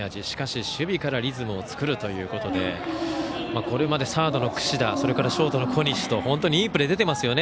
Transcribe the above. しかし、守備からリズムを作るということでこれまでサードの櫛田それからショートの小西と本当にいいプレー出ています。